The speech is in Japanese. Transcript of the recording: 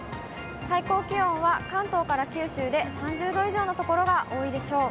最高気温は関東から九州で３０度以上の所が多いでしょう。